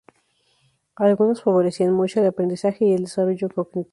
Algunas favorecían mucho el aprendizaje y el desarrollo cognitivo.